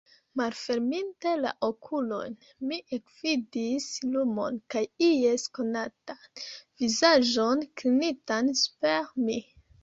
Malferminte la okulojn, mi ekvidis lumon kaj ies konatan vizaĝon klinitan super mi.